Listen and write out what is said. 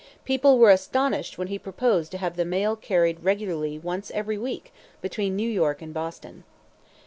People were astonished when he proposed to have the mail carried regularly once every week between New York and Boston.